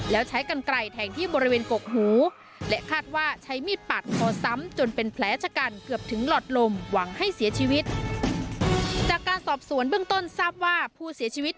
แล้วใช้กันไกลแทงที่บริเวณกกหู